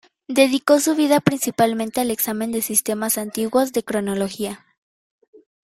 Dedicó su vida principalmente al examen de sistemas antiguos de cronología.